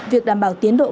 việc đảm bảo tiến độ